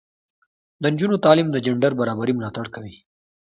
د نجونو تعلیم د جنډر برابري ملاتړ کوي.